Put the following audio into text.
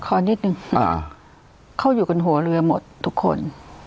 ขอนิดนึงเขาอยู่กันหัวเรือหมดทุกคน